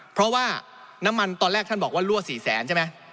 เพราะว่าน้ำมันตอนแรกท่านบอกว่ารั่ว๔แสนใช่ไหม